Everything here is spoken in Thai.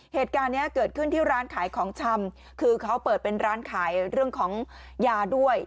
เหตุการณ์เนี้ยเกิดขึ้นที่ร้านขายของชำคือเขาเปิดเป็นร้านขายเรื่องของยาด้วย